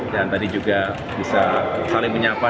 dan tadi juga bisa saling menyapa